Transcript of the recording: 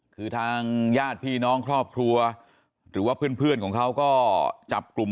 คือทางญาติพี่น้องครอบครัวหรือว่าเพื่อนของเขาก็จับกลุ่ม